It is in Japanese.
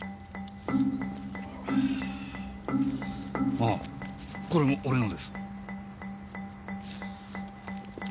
ああこれも俺のです。